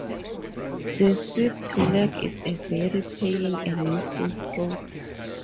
The sweep to leg is a very paying and useful stroke.